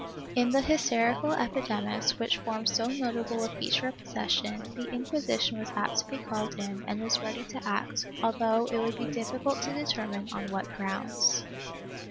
^ In the hysterical epidemics which form so notable a feature of possession, the Inquisition was apt to be called in and was ready to act, although it v/ould be difficult to determine on what grounds.